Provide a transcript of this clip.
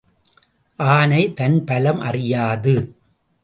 ஆனை தன் பலம் அறியாது.